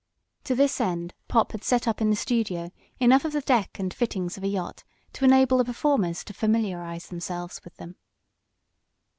To this end Pop had set up in the studio enough of the deck and fittings of a yacht to enable the performers to familiarize themselves with them.